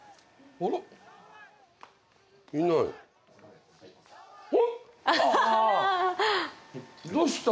あらどうした？